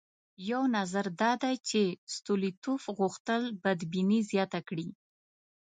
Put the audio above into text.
یو نظر دا دی چې ستولیتوف غوښتل بدبیني زیاته کړي.